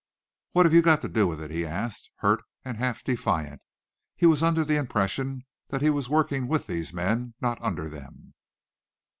"What have you got to do with it?" he asked, hurt and half defiant. He was under the impression that he was working with these men, not under them.